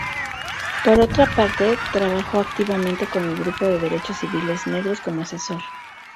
Por otra parte, trabajó activamente con el grupo de Derechos Civiles Negros como asesor.